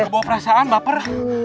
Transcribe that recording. bawa perasaan baper